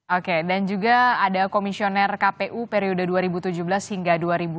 oke dan juga ada komisioner kpu periode dua ribu tujuh belas hingga dua ribu dua puluh